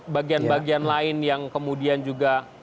bagian bagian lain yang kemudian juga